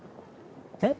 えっ？